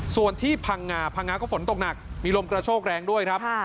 ส่วนที่พังงาพังงาก็ฝนตกหนักมีลมกระโชกแรงด้วยครับ